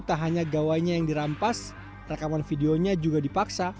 tak hanya gawainya yang dirampas rekaman videonya juga dipaksa